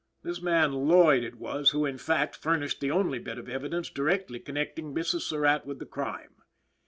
This man Lloyd it was who, in fact, furnished the only bit of evidence directly connecting Mrs. Surratt with the crime.